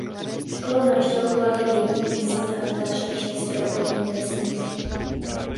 Školu navštěvovaly děti místní a z dalších šesti okolních vesnic.